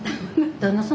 旦那さん。